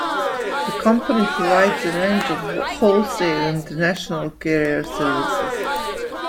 The company provides a range of wholesale international carrier services.